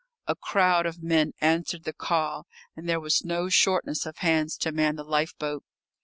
A crowd of men answered the call, and there was no shortness of hands to man the lifeboat.